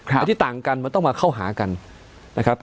อันนี้ต่างกันมันต้องมาเข้าหากันนะครับ